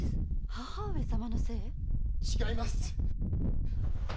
母上様のせい⁉・違います！